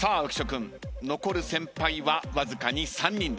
君残る先輩はわずかに３人です。